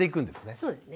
そうですね。